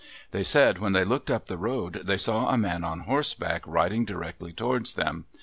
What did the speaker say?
They said when they looked up the road they saw a man on horseback riding directly towards them.